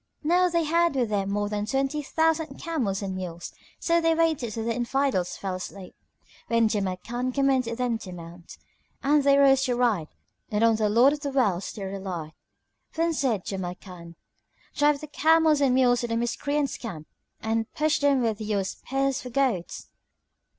Now they had with them more than twenty thousand camels and mules. So they waited till the Infidels fell asleep, when Jamrkan commanded them to mount, and they rose to ride and on the Lord of the Worlds they relied. Then said Jamrkan, "Drive the camels and mules to the Miscreants' camp and push them with your spears for goads!"